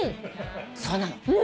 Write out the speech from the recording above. そうなの。